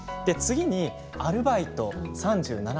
次にアルバイト３７％。